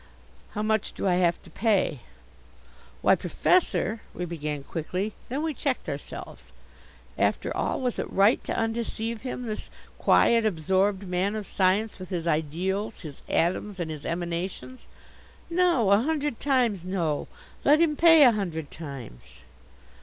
"How much do I have to pay?" "Why, Professor " we began quickly. Then we checked ourselves. After all was it right to undeceive him, this quiet, absorbed man of science with his ideals, his atoms and his emanations. No, a hundred times no. Let him pay a hundred times.